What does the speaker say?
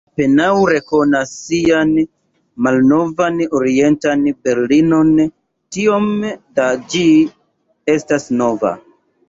Li apenaŭ rekonas sian malnovan Orientan Berlinon, tiom da ĝi estas nova.